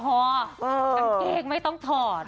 กางเกงไม่ต้องถอด